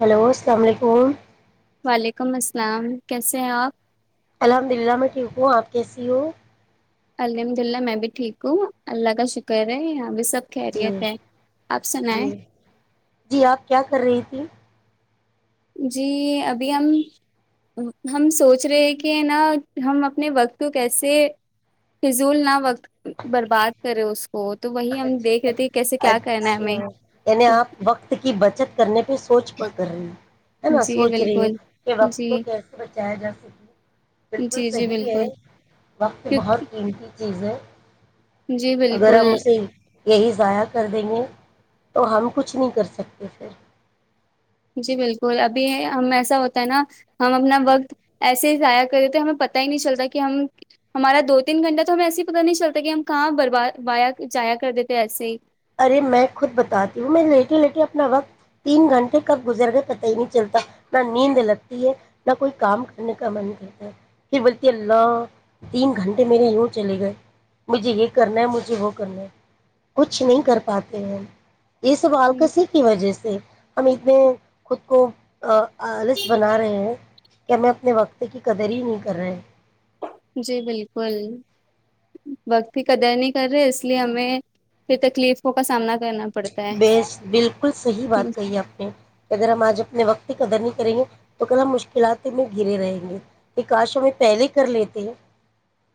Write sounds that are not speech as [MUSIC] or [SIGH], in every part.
hello السلام علیکم وعلیکم السلام کیسے ہیں آپ الحمد للہ میں ٹھیک ہوں آپ کیسی ہو الحمد اللہ میں بھی ٹھیک ہوں اللہ کا شکر ہے یہ ابھی سب خیریت ہے آپ جی سنائیں جی آپ کیا کر رہی جی جی ابھی ہم ہم سوچ رہے کہ نا ہم اپنے وقت کو کیسے فضول نہ وقت برباد کریں اس کو تو وہی ہم اچھ دیکھ رہے تھے کیسے کیا کرنا ہے اچھا ہمیں یعنی تو آپ وقت کی بچت کرنے سوچ پرڑ کر رہے ہیں ہے نا جی سوچ رہی ہو بالکل کہ وقت کو جی کیسے بچایا جا سکے بالکل جی جی صحیح ہے بالکل وقت بہت کیونکہ قیمتی چیزیں [UNINTELLIGIBLE] جی بالکل یہی ضائع کر دیں گے تو ہم کچھ نہیں کر سکتے پھر جی بالکل ابھی ہم ایسا ہوتا ہے نا ہم اپنا وقت ایسے ہی ضائیا کر دیتے ہمیں پت ہی نہیں چلتا کہ ہم ہمارا دو تین گھنٹہ تو ہمیں ایسے ہی پتہ نہیں چلتا کہ ہم کہاں بربادیا جایا کر دیتے ایسے ہی ارے میں خود بتاتی ہوں میں لیٹے لیٹے اپنا وقت تین گھنٹے کب گزر گئے پت ہی نہیں چلتا نہ نیند لگتی ہے نہ کوئی کام کرنے کا من کرتا ہے پھر بولتی اللہ تین گھنٹے میرے یوں چلے گئے مجھے یہ کرنا ہے مجھے وہ کرنا ہے کچھ کچھ نہیں کر پاتے ہیں یہ سوال کسی کی وجہ سے ہم اتنے خود کو آ آ لس بنا رہے ہیں کیا میں اپنے وقت کی قدر ہی نہیں کر رہے جی بالکل وقت بھی قدر نہیں کر رہے اس لیے ہمیں پھر تکلیفوں کا سامنا کرنا پ بیس بالکل صحیح بات کہی آپ نے کہ اگر ہم آج اپنے وقت کی قدر نہیں کریں گے تو کل ہم مشکلات میں گرے رہیں گے یہ کاش ہمیں پہلے کر لیتے ہیں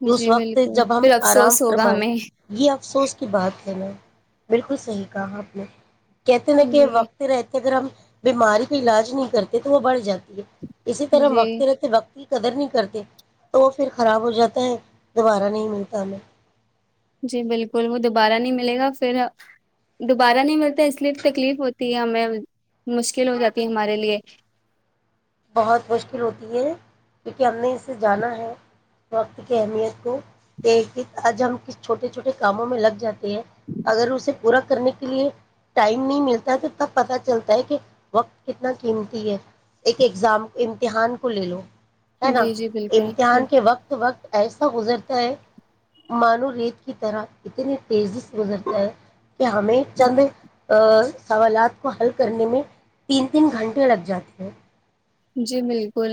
کہ اس جی وقت بالکل جب ہم پھر آرام افسوس پر ہوگا مارے ہمیں یہ افسوس کی بات ہے نا بالکل صحی کہاں اپ نے کہتے نہ کہ جی وقت رہتے ا گر ہم بیماری کا علاج نہیں کرتے تو وہ بڑھ جاتی ہے اسی طرح ہم جی وقتتی رہتے وقت قدر نہیں کرتے تو وہ پھر خراب ہو جاتا ہے دوبارہ نہیں ملتا ہمیں جی بالکل وہ دوبارہ نہیں ملے گا پھر دوبارہ نہیں ملتا اس لیے تکلیف ہوتی ہے ہمیں مشکل ہو جاتی ہے ہمارے لیے بہت مشکل ہوتی ہے کیونکہ ہم نے اسے جانا ہے وقت کی اہمیت کو آج ہم ک چھوٹے چھوٹے کاموں میں لگ جاتے ہیں اگر اسے پورا کرنے کے لیے ٹائم نہیں ملتا ہے تو تب پتہ چلتا ہے کہ وقت کتنا قیمتی ہے ایک ایگزام امتحان کو لے لو ہے نا جی جی بالکل ہاں امتحان کے وقت وقت ایسا گزرتا ہے مانو ریت کی طرح اتنی تیزی سے گزرتا ہے کہ ہمیں چند ا سوالات کو حل کرنے میں تین تین گھنٹے لگ جاتے ہیں جی بالکل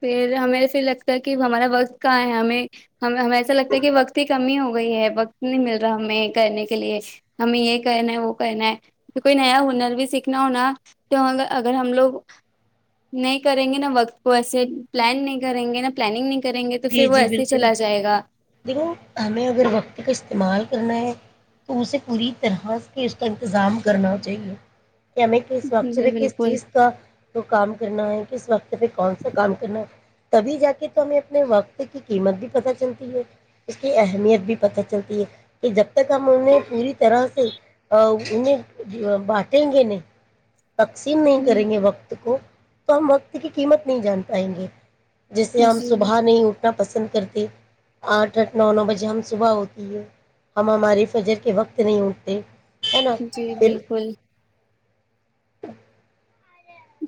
پھر ہمیں پ لگتا ہے کہ ہمارا وقت کہاں ہے ہمیں ہم ہمیں ایسا لگتا ہے کہ وقت کی کمی ہوگی گئی ہے وقت نہیں مل رہا ہمیں کرنے کے لیے ہمیں یہ کرنا ہے وہ کرنا ہے کوئی نیا ہنر بھی سیکھنا ہوناا تو اگر ہم لوگ نہیں کریں گے نا وقت کو ایس پلان نہیں کریں گے نا پلاننگ نہیں کریں گے تو جی پھر وہ جی ایسے ہی بالکل چلا جائے گا دیکھو ہمیں اگر وقت کا استعمال کرنا ہے تو اسے پوری طرح اس کا انتظام کرنا چاہیے کہ ہمیں کس وقت جی پہ کس بالکل چیز کا وہ کام کرنا ہے اس وقت پہ کون سا کام کرنا ہے تبھی جا کے تو ہمیں اپنے اپنے وقت کی قیمت بھی پت چلتی ہے اس کی اہمیت بھی پت چلتی ہے کہ جب تک ہم انہیں پوری طرح سے انہیں بانٹیں گے نہیں تقسیم نہیں جی کریں گے وقت کو تو ہم وقت کی قیمت نہیں جان پائیں گے جیسے ہم جی صبح اٹھنا پسند کرتے آٹھ آٹھ نو نو بجے ہم صبح ہوتی ہے ہم ہمارے فجر کے وقت نہیں اٹھتے ہے نا جی پھر بالکل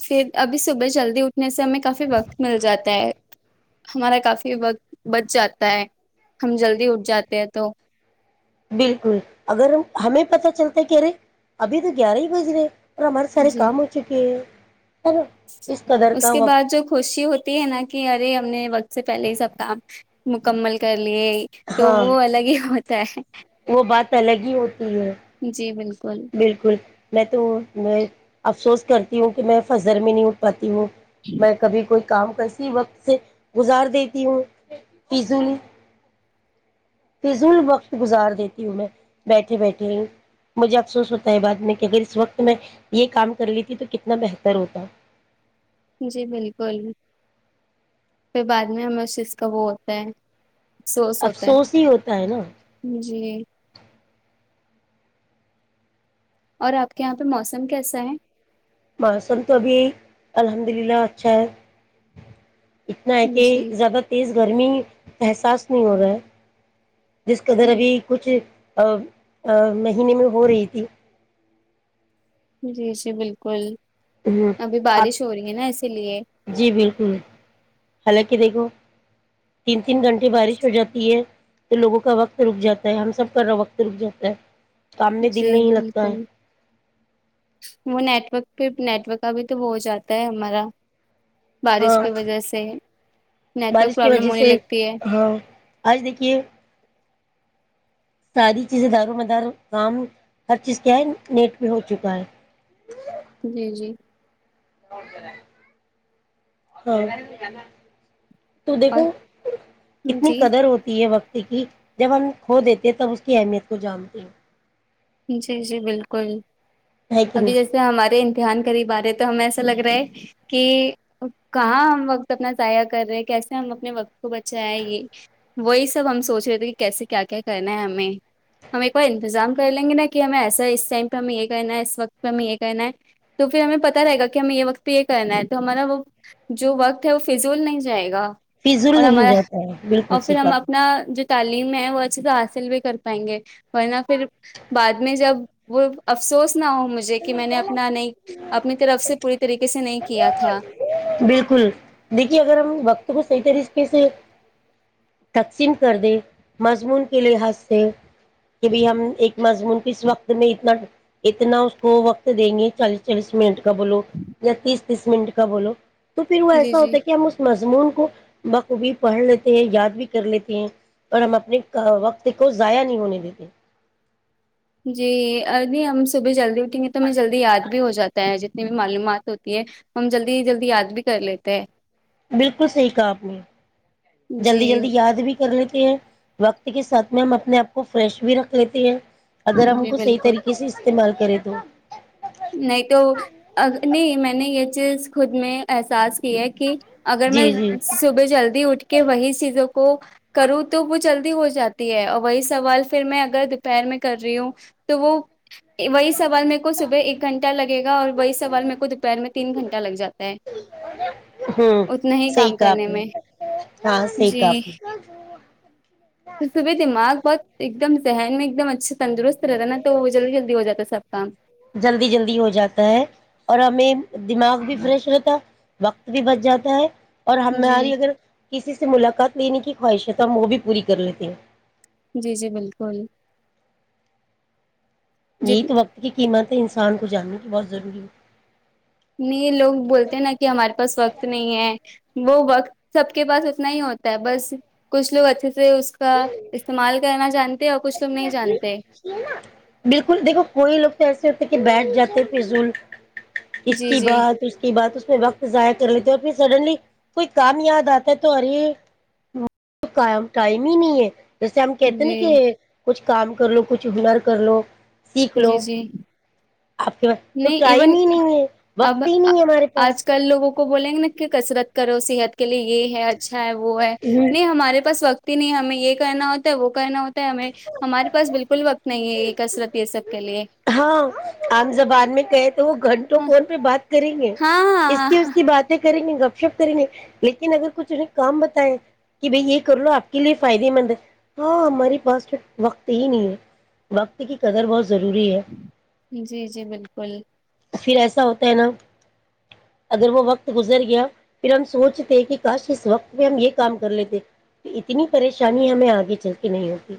پھر ابھی صبح جلدی اٹھنے سے ہمیں کافی وقت مل جاتا ہے ہمارا کافی وقت بچ جاتا ہے ہم جلدی اٹھ جاتے ہیں تو بالکل اگر ہمیں پت چلتا کہ رے ابھی تو گیارہ ہی بج رہے ہیں ا مرے ساری جی کامچک اس کے بعد جو خوشی ہوتی ہے نا کہ ارے ہم نے وقت سے پہلے ہی سب کام مکمل کر ے تو ہاں وہ الگ ہی ہو س وہ بات الگ ہی ہوتی ہ ہے جی بالکل بالکل میں تو میں افسوس کرتی ہوں کہ میں فضر میں نہیں اٹھ پاتی ہوں میں کبھی کوئی کام کیسی وقت سے گزار دیتی ہوں فیزو فض ال وقت گزار دیتی ہوں میں بیٹھے بیٹھے ہوں مجھے افسوس ہوتا ہے بعد میں کہ اگر اس وقت میں یہ کام کر لیتی تو کتنا بہتر ہوتا جی بالکل پھر بعد میں ہمر شس کا وہ ہوتا ہے افسوس ہی ہوتا ہے نا ہے جی اور آپ کے یہاں پہ موسم کیسا ہے موسم تو ابھی الحمد للہ اچھا ہے اتنا ہے کہ جی زیادہ تیز گرمی احساس نہیں ہو رہا ہے جس کےدھر ابھی کچھ ا نہیں اگنی میں پوروریتی جی جی بالکل ہوں ابھی آپ بارش ہو رہی ہے نا اسی لیے جی بالکل حالانکہ دیکھو تین تین گھنٹے بارش ہو جاتی ہے تو لوگوں کا وقت رک جاتا ہے ہم سب کر وقت رک جاتا ہے سامنے دل جی نہیں لگتا ہے بالکل وہ نیٹورک پہ نیٹورک کا بھی تو ہو جاتا ہے ہمارا بارش ہاں کی وجہ سے نیٹورک بارش کی پرابلم وجہ ہونے سے لگتی ہے ہاں آج دیکھیے ساری چیزیں دار و مدار کام ہر چیز کیا ہے نیٹ پہ ہو چکا ہے جی جی رہا تو اور دیکھو کتنی جی قدر ہوتی ہے وقت کہ جب ہم کھو دیتے تب اس کی اہمیت کو جانتے ہیں جی جی بالکل ہے کہ نہیں ابھی جیسے ہمارے امتحان قریب آ رہے تو ہمیں ایسا لگ رہا ہے کہ کہاں ہم وقت اپنا ضائع کر رہے ہیں کیسے ہم اپنے وقت کو بچائےائے یہ وہی سب ہم سوچ رہے تھے کہ کیسے کیا کیا کرنا ہے ہمیں ہمیں ایک اور انتظام کر لیں گے نا کہ ہمیں ایسا ہے اس ٹائم پہ ہمیں یہ کرنا ہے اس وقت پہ ہمیں یہ کرنا ہے تو پھر ہمیں پتتا رہے گا کہ ہمیں یہ وقتہ یہ کرنا ہے تو ہمارا وہ جو وقت ہے وہ فضول نہیں جائے گا فضول اور نہیں ہمارا جاتا ہے بالکل سہی کہا ھا وہچ تو حاصل بھی کر پائیں گے ورنہ پھر بعد میں جب وہ افسوس نا ہو مجھے کہ میں نے اپنا نہیں اپنی طرف سے پوری طریقے سے نہیں کیا تھا بالکل دیکھیے اگر ہم وقت کو صحیح طریقے سے تقسیم کر دے مضمون کے لحاظ سے کہ بھ ہم ایک مضمون کس وقت میں اتنا اتنا وہ وقت دیں گے چالیس چالیس منٹ کبلو یا تیس تیس منٹ کا بولو تو پھر وہ جی ایسا جی ہوتا ہے کیا ہم اس مس مضمون کو بخ بھی پڑھ لیتے ہیں یاد بھی کر لیتے ہیں اور ہم اپنے وقت کو ضائع نہیں ہونے دیتے جی ارلی ہم صبح جلدی تو میںیں جلدی یاد بھی ہو جاتا ہے جت بھی معلومات ہوتی ہے ہم جلدی جلدی یاد بھی کر لیتے ہیں بالکل صحیح کہا اپنے جی جلدی جلدی یاد بھی کر لیتی ہیں وقت کے ساتھ میں ہم اپنے آپ کو فریش بھی رکھ لیتے ہیں اگر ہم ان جی کو صحیح بالکل طریقے سے استعمال کریں تو نہیں تو نہیں میں نے یہ چیز خود میں احساس کیا ہے کہ اگر میں جی جی صبح جلدی اٹھ کے وہی چیزوں کو کروں تو مھ جلدی ہو جاتی ہے اور وہی سوال پھر میں اگر دوپہر میں کر رہی ہوں تو وہ وہی سوال میرے کو صبح ایک گھنٹہ لگے گا اور وہی سوال میرے کو دوپہر میں تین گھنٹہ لگ جاتا ہے ہوں اتنا ہی صحیح کام کہا کرنے آپ نے میں ہاں صحیح جی کہا آپ صبح دماغ بہت ایک دم ذہن میں ایکم اچھا تندرست رہتا ہے نا تو وہ جلدی جلدی ہو جاتا ہے سب کام نے جلدی جلدی ہو جاتا ہے اور ہمیں دماغ بھی فریش رہتا وقت بھی بچ جاتا ہے اور جی ہماری اگر کسی سے ملاقات لینے کی خواہش ہے ہم وہ بھی پوری کر لیتے ہیں جی جی بالکل جی یہی تو وقت کی قیمت تو انسان کو جاننے کی بہت ضروری ہے نہیں لوگ بولتے نا کہ ہمارے پاس وقت نہیں ہے وہ وقت سب کے پاس اتنا ہی ہوتا ہے بس کچھ لوگ اچھے سے اس کا استعمال کرنا جانتے ہیں اور کچھ لوگ نہیں جانتے بالکل دیکھو کوئی لوگ تو ایسے بیٹ جاتے پضول اس جی کی جی بات اس کی بات اس وقت ضائع کر لیتے ہیں اور پھر سڈنلی کوئی کام یاد آتا ہے تو ار کام ٹ م نہیں ہے جیسے ہم کہتے ہیں جی ن کہ کچھ کام کر لو کچھ ہنر کر لو سیکھ لو جی جی آپ کے پاس تو نہیں ٹائم ایون ہی نہیں ہے اب وقت ہی نہیں ہے ہمارے پاس آج کل لوگوں کو بولیں گے نا کہ کسرت کرو صحت کے لیے یہ ہے اچھا ہے وہ ہے نہیں ہمارے پاس وقت نہیں ہمیں یہ کہنا ہوتا ہے وہ کہنا ہوتا ہے ہمیں ہمارے پاس بالکل وقت نہیں ہے یہ کثرت یہ سب لیے ہاں عام زبان میں کہے تو وہ گھنٹوں ہاں فون پہ بات کریں گے ہاں اس ہاں کی اس کی باتیں کریں گے گپ شپ کریں گے لیکن اگر کچھ انہیں کام بتایا کہ بھائی یہ کر لو آپ کے لیے فائدے مند ہے ہاں ہماری پاس پھر وقت ہی نہیں ہے وقت کی قدر بہت ضروری ہے جی جی بالکل پھر ایسا ہوتا ہے نا اگر وہ وقت گزر گیا پھر ہم سوچتے کہ کاش اس وقت پہ ہم یہ کام کر لیتے اتنی پریشانی ہمیں آگے چل کے نہیں ہو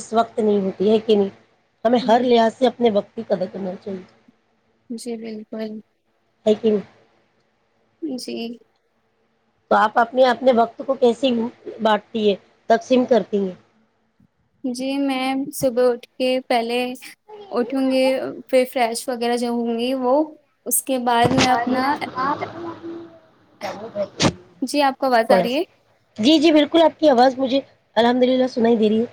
اس وقت نہیں ہوتی ہے کہ نہیں ہمیں ہر لحاظ سے اپنے وقت کہ کد ک نہ چل ج جی بالکل تیکن جی تو آپ اپنے اپنے وقت کو کیسی بانٹتی ہے تقسیم کرتی ہیں جی میں صبح اٹھ کے پہلے اٹھوں گے پ فریش وغیرہ جو ہوں گی وہ اس کے بعد میں اپنا جی آپ کو آواز آ تھوڑا رہی سا ہے جی جی بالکل آپ کی آواز مجھے الحمد للہ سننا ہی دی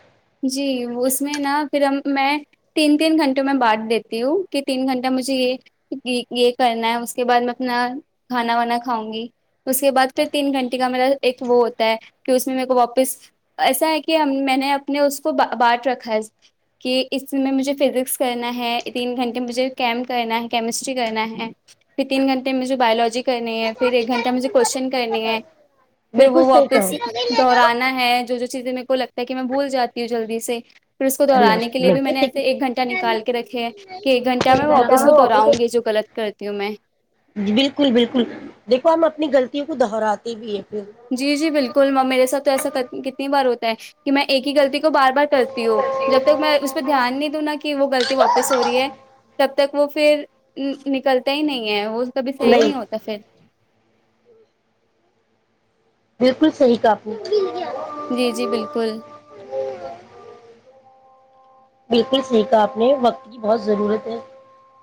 جی اس میں نا پھر ہم میں تین تین گھنٹوں میں بانٹ دیتی ہوں کہ تین گھنٹہ مجھے یہ یہ کرنا ہے اس کے بعد میں اپنا کھانا وانا کھاؤں گی اس کے بعد پھر تین گھنٹے کا میرا ایک وہ ہوتا ہے کہ اس میں میرے کو واپس ایسا ہے کہ میں نے اپ نے اس کو بانٹ رکھا ہے کہ اس میں مجھے فزکس کرنا ہے تین گھنٹے میں مجھے کیمپ کرنا ہے کیمسٹری کرنا ہے پھر تین گھنٹے میں مجھے بایولوجی کرنی ہے پھر ایک گھنٹہ مجھے کوشچن کرنی ہے پھر بالکل وہ صحیح کہا واپس دہرانا ہے جو جو چیز م کو لگتا ہے کہ میں بول جاتی ہ جلدی سے پھر اس کو دوہڑانے کے لیے بھی میں نے ایسے ایک گھنٹہ نکال کے رکھے ہیں کہ ایک گنہ میں واپس وہ د دوہراؤ گی جو غلط کر کی میں بالکل بالکل دیکھو ہم اپنی غلطیوں کو دہراتے بھی ہے پھر جی جی بالکل میرے ساتھ تو ایسا کتنی بار ہوتا کہ میں ایک ہی غلطی کو بار بار کرتی ہوں جب تک میں اس پہ دھیان نہیں دوں نا کہ وہ غلط واپس ہو رہی ہے تب تک وہ پھر نکلتا ہی نہیں ہے وہ کبھی صحیح نہیں ہوتا پھر بالکل صحیح کاپنی جی جی بالکل بالکل سیکھا آپ نے وقت کی بہت ضرورت ہے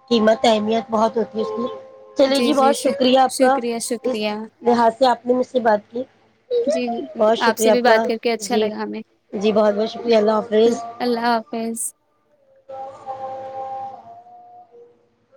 قیمت اہمیت بہت ہوتی ہے اس کی چلیے جی بہت شک- شکریہ آپ کا شکریہ اس شکریہ لحاظ سے آپ نے مجھ سے بات کی جی بہت شکریہ سے آپ بھی کا بات کر کے اچھا جی لگا ہمیں جی بہت بہت شکریہ اللہ حافظ اللہ حافظ